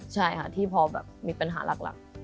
ใช่ค่ะที่พอแบบมีปัญหาหลัก